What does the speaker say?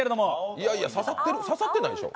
いやいや、刺さってないでしょ。